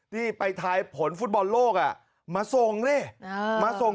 ที่ไปทายผลฟุตบอลโลกมาส่ง